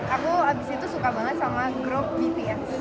aku abis itu suka banget sama grup bps